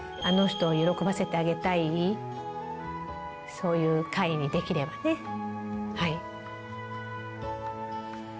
そういう会にできればねはい。